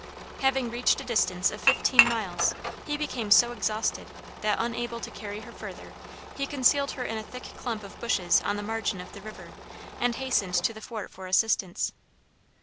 Having reached a distance of fifteen miles, he became so exhausted that, unable to carry her further, he concealed her in a thick clump of bushes on the margin of the river, and hastened to the Fort for assistance.